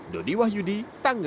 dodi wahyudi tanggung